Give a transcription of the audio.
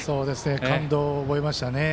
感動を覚えましたね。